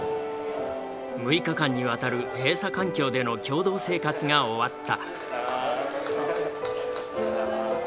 ６日間にわたる閉鎖環境での共同生活が終わった。